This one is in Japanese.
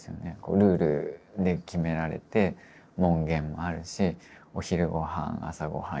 ルールで決められて門限もあるしお昼ごはん朝ごはん